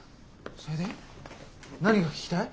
それで？何が聞きたい？